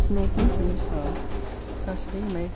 NORTON, TO MISS HOWE SATURDAY, MAY 13.